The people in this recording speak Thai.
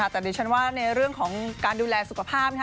แต่ดิฉันว่าในเรื่องของการดูแลสุขภาพ